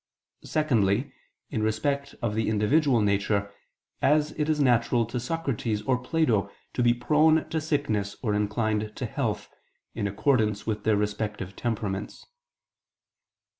Secondly, in respect of the individual nature, as it is natural to Socrates or Plato to be prone to sickness or inclined to health, in accordance with their respective temperaments.